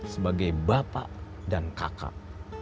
sebagai bapak dan kakak